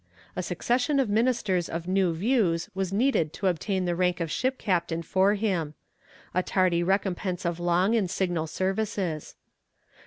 A succession of ministers of new views was needed to obtain the rank of ship captain for him: a tardy recompense of long and signal services.